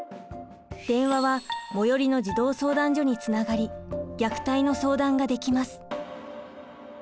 電話は最寄りの児童相談所につながり虐待の相談ができます。